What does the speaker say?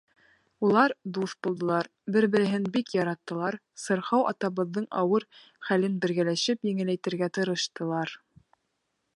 Улар дуҫ булдылар, бер-береһен бик яраттылар, сырхау атабыҙҙың ауыр хәлен бергәләшеп еңеләйтергә тырыштылар.